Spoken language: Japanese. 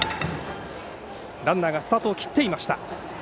ランナーがスタートを切っていました。